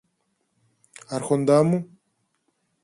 Άρχοντα μου;